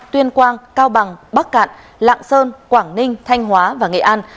tuyên quang cao bằng bắc cạn lạng sơn quảng ninh thanh hóa và nghệ an